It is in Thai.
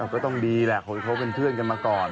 ก็ต้องดีแหละคนที่เขาเป็นเพื่อนกันมาก่อน